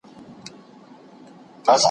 زه مخکي پاکوالي ساتلي وو!